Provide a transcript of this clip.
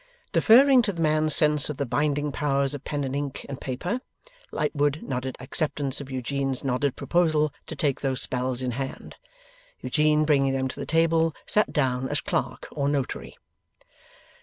Deferring to the man's sense of the binding powers of pen and ink and paper, Lightwood nodded acceptance of Eugene's nodded proposal to take those spells in hand. Eugene, bringing them to the table, sat down as clerk or notary.